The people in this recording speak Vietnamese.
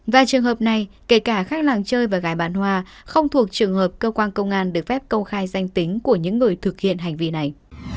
và trường hợp này kể cả khách làng chơi và gái bán hoa không thuộc trường hợp cơ quan công an được phép công khai danh tính của những người thực hiện hành vi này